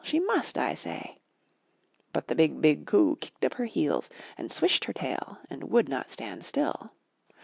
She must, I say!" But the BIG, BIG COO kicked up her heels, swished her tail, and would not stand still.